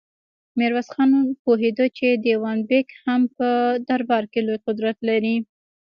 ميرويس خان پوهېده چې دېوان بېګ هم په دربار کې لوی قدرت لري.